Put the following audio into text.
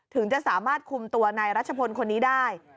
ถึงจะสามารถคุมตัวนายรัชพลคนนี้ได้